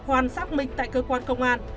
oan xác minh tại cơ quan công an